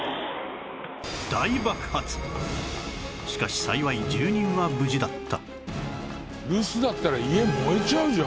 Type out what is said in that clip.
しかし幸い住人は無事だった